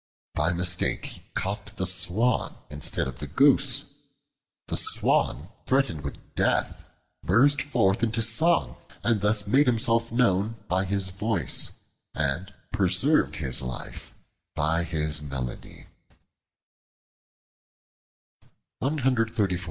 By mistake he caught the Swan instead of the Goose. The Swan, threatened with death, burst forth into song and thus made himself known by his voice, and preserved his life by his melody.